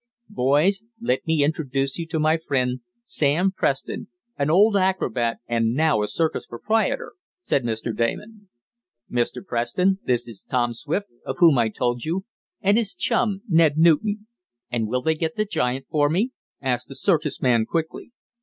"Boys, let me introduce you to my friend, Sam Preston, an old acrobat and now a circus proprietor," said Mr. Damon. "Mr. Preston, this is Tom Swift, of whom I told you, and his chum, Ned Newton." "And will they get the giant for me?" asked the circus man quickly.